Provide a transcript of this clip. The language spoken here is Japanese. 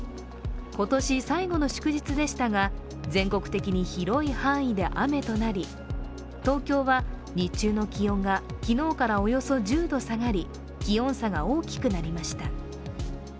今年最後の祝日でしたが全国的に広い範囲で雨となり、東京は日中の気温が昨日からおよそ１０度下がり、気温差が大きくなりました。